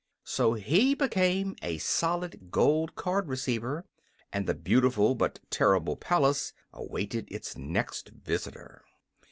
So he became a solid gold card receiver, and the beautiful but terrible palace awaited its next visitor.